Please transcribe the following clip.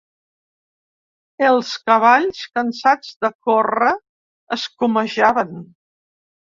Els cavalls, cansats de córrer, escumejaven.